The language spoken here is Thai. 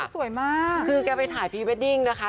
ก็คือแกไปถ่ายพรีเวดดิงนะคะ